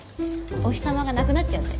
お日様がなくなっちゃうって。